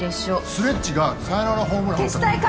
スレッジがサヨナラホームラン打った時